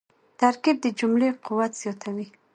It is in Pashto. ترکیب د جملې قوت زیاتوي.